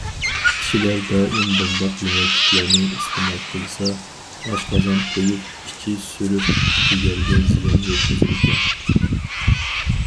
كىشىلەر دائىم بۇنداق يېمەكلىكلەرنى ئىستېمال قىلسا، ئاشقازان كۆپۈپ، ئىچى سۈرۈپ، جىگەرگە زىيان يەتكۈزىدىكەن.